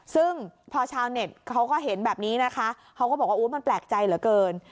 ซึ่งพอชาวเน็ตเขาก็เห็นแบบนี้นะคะเขาก็บอกว่ามันแปลกใจเหลือเกิน